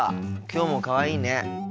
きょうもかわいいね。